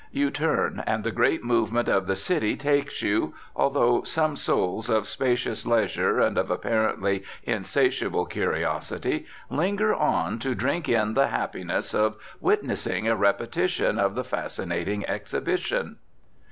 You turn, and the great movement of the city takes you, although some souls of spacious leisure and of apparently insatiable curiosity linger on to drink in the happiness of witnessing a repetition of the fascinating exhibition.